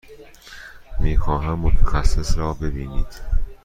می خواهم متخصص را ببینید.